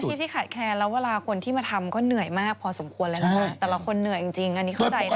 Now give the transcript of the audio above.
เป็นอาชีพที่ขาดแคนแล้วเวลาคนที่มาทำก็เหนื่อยมากพอสมควรเลยนะคะ